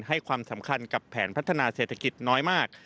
ให้ความสำคัญกับแผนพัฒนาเศรษฐกิจน้อยมาก